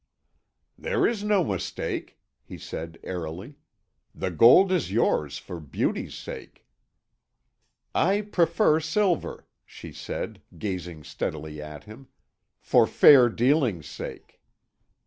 "There is no mistake," he said airily; "the gold is yours for beauty's sake." "I prefer silver," she said, gazing steadily at him, "for fair dealing's sake."